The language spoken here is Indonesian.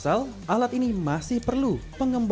sehingga dapat mengukur kadar alkohol dengan tepat